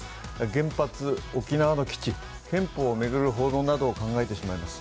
原発、沖縄の基地、憲法を巡る報道などを考えてしまいます。